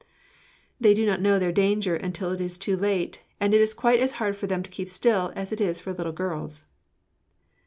"They do not know their danger until it is too late, and it is quite as hard for them to keep still as it is for little girls."